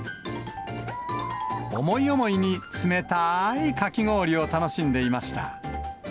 思い思いに冷たいかき氷を楽しんでいました。